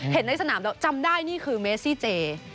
ในสนามแล้วจำได้นี่คือเมซี่เจ